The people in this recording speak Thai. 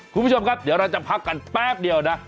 คุณผู้ชมครับเดี๋ยวเราจะพักกันแป๊บเดียวนะ